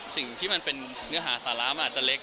สิ่งที่มันเป็นเนื้อหาสาระมันอาจจะเล็ก